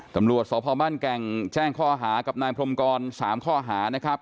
ตำรวจสพบ้านแก่งแจ้งข้อหากับนายพรมกร๓ข้อหานะครับ